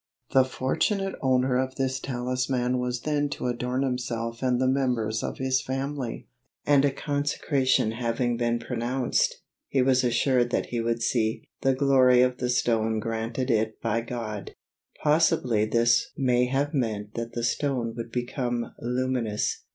The fortunate owner of this talisman was then to adorn himself and the members of his family, and, a consecration having been pronounced, he was assured that he would see "the glory of the stone granted it by God." Possibly this may have meant that the stone would become luminous.